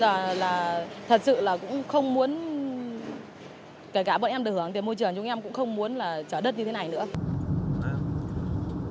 kể cả bọn em đường thì môi trường chúng em cũng không muốn là trở đất như thế này nữa